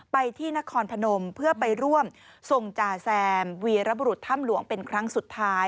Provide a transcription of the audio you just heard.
ไปที่นครพนมเพื่อไปร่วมทรงจ่าแซมวีรบุรุษถ้ำหลวงเป็นครั้งสุดท้าย